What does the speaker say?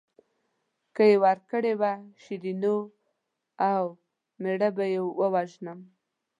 که یې ورکړې وه شیرینو او مېړه به یې ووژنم.